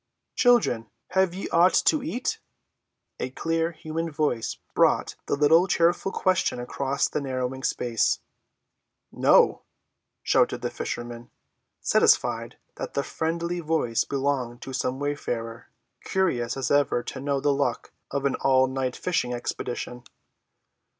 "Children, have ye aught to eat?" A clear, human voice brought the little cheerful question across the narrowing space. "No," shouted the fishermen, satisfied that the friendly voice belonged to some wayfarer, curious as ever to know the luck of an all‐night fishing expedition.